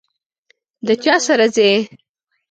د چا سره ځئ؟